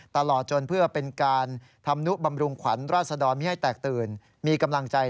ตลอดจนเพื่อเป็นการทำนุบำรุงขวัญราษดรมีให้แตกตื่นมีกำลังใจ